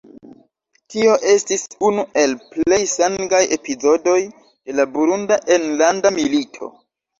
Tio estis unu el plej sangaj epizodoj de la Burunda enlanda milito.